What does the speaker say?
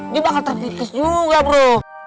dia bakal terpikis juga bro